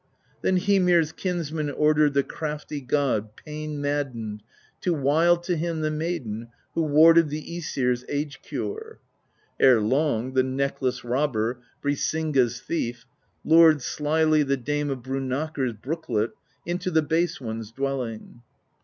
Then Hymir's Kinsman ordered The crafty god, pain maddened. To wile to him the Maiden Who warded the iEsir's age cure; Ere long the necklace robber, Brisinga's thief, lured slyly The Dame of Brunnakr's brooklet Into the Base One's dwelling.